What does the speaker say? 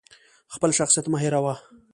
خپل شخصیت مه هیروه!